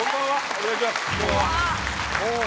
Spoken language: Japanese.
お願いします。